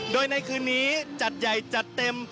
โดยในคืนนี้จัดใหญ่จัดเต็ม